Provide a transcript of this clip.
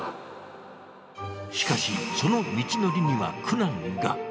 しかし、その道のりには苦難が。